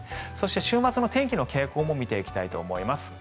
そして、週末の天気の傾向も見ていきたいと思います。